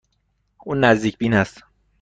او نزدیک بین است.